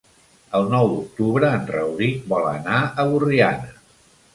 El nou d'octubre en Rauric vol anar a Borriana.